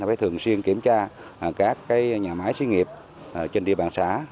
phải thường xuyên kiểm tra các nhà máy xí nghiệp trên địa bàn xã